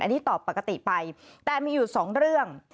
อันนี้ตอบปกติไปแต่มีอยู่สองเรื่อง